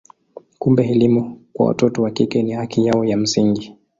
Kumbe elimu kwa watoto wa kike ni haki yao ya msingi.